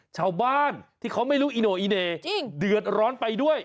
ชาวบ้านที่เขาไม่รู้อีโน่อีเน่เดือดร้อนไปด้วย